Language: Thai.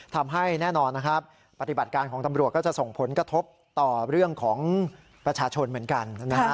แน่นอนนะครับปฏิบัติการของตำรวจก็จะส่งผลกระทบต่อเรื่องของประชาชนเหมือนกันนะฮะ